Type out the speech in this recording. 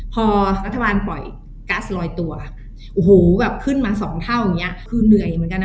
พอรัฐบาลปล่อยกัสลอยตัวโอ้โหแบบขึ้นมาสองเท่าอย่างเงี้ยคือเหนื่อยเหมือนกันนะ